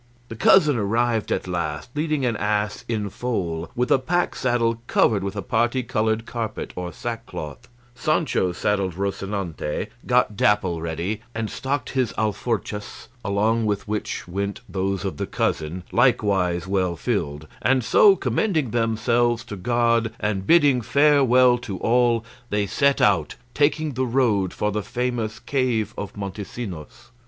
The cousin arrived at last, leading an ass in foal, with a pack saddle covered with a parti coloured carpet or sackcloth; Sancho saddled Rocinante, got Dapple ready, and stocked his alforjas, along with which went those of the cousin, likewise well filled; and so, commending themselves to God and bidding farewell to all, they set out, taking the road for the famous cave of Montesinos.